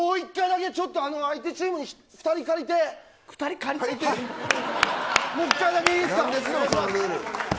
相手チームに２人借りてもう１回だけいいですか。